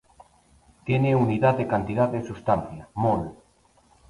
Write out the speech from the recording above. Tiene unidad de cantidad de sustancia, mol.